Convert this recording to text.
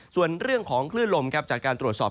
ส่วนเรื่องของคลื่นลมครับจากการตรวจสอบ